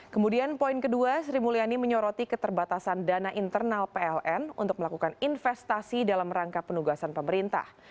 kemudian poin kedua sri mulyani menyoroti keterbatasan dana internal pln untuk melakukan investasi dalam rangka penugasan pemerintah